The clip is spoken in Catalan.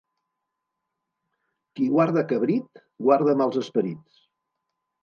Qui guarda cabrit, guarda mals esperits.